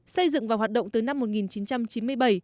xây dựng và hoạt động từ năm một nghìn chín trăm chín mươi bảy